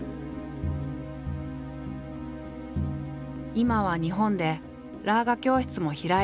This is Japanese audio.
今は日本でラーガ教室も開いているテリー。